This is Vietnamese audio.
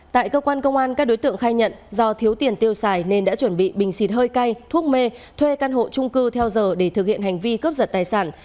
tại cơ quan công an các đối tượng khai nhận do thiếu tiền tiêu xài nên đã chuẩn bị bình xịt hơi cay thuốc mê thuê căn hộ trung cư theo giờ để thực hiện hành vi cướp giật tài sản